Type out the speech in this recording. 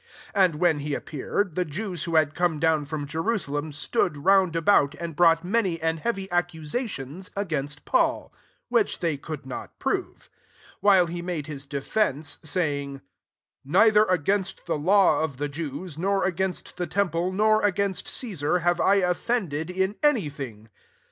7 And when he appeared, the Jews who had come down from Jerusalem stood round about, and brought many and heavy accusations [ against Paul ], which they could not prove ; 8 while he made his defence, «ay ing^ « Neither against the law of the Jews, nor against the temple, nor against Caesar, have I offended in any thing.